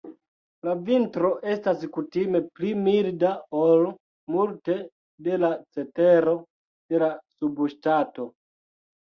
La vintro estas kutime pli milda ol multe de la cetero de la subŝtato.